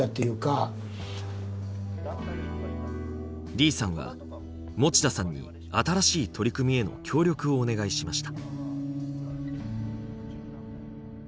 李さんは持田さんに新しい取り組みへの協力をお願いしました。